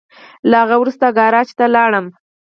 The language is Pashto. له هغه وروسته ګاراج ته ولاړم.